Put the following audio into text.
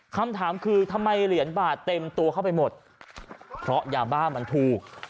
คำถามคือทำไมเหรียญบาทเต็มตัวเข้าไปหมดเพราะยาบ้ามันถูก